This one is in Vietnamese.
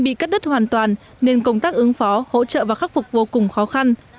bị cắt đứt hoàn toàn nên công tác ứng phó hỗ trợ và khắc phục vô cùng khó khăn